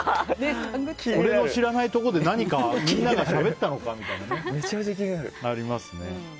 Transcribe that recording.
俺の知らないところで何か、みんながしゃべったのかみたいなのありますね。